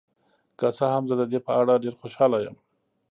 که څه هم، زه د دې په اړه ډیر خوشحاله یم.